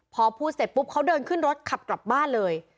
พอพูดเสร็จปุ๊บเขาเดินขึ้นรถขับกลับบ้านเลย